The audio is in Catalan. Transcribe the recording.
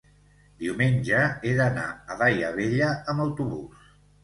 Diumenge he d'anar a Daia Vella amb autobús.